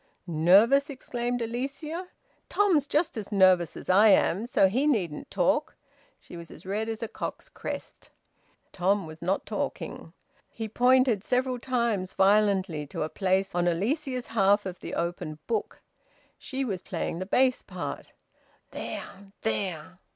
"Nervous!" exclaimed Alicia. "Tom's just as nervous as I am! So he needn't talk." She was as red as a cock's crest. Tom was not talking. He pointed several times violently to a place on Alicia's half of the open book she was playing the bass part. "There! There!"